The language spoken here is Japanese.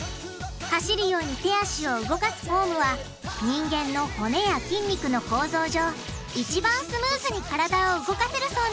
走るように手足を動かすフォームは人間の骨や筋肉の構造上一番スムーズに体を動かせるそうなんです。